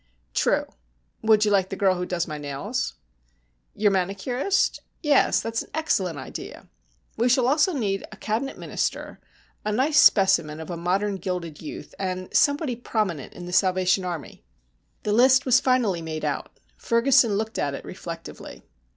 "True. Would you like the girl who does my nails?" "Your manicurist? Yes, that's an excellent idea. We shall also need a Cabinet Minister, a nice specimen of a modern gilded youth, and somebody prominent in the Salvation Army." The list was finally made out. Ferguson looked at it reflectively.